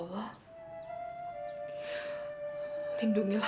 barang barang ya kita